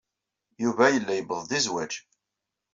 Yuba yella yuweḍ-d i zzwaj.